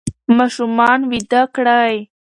ماشومان ویده کړئ.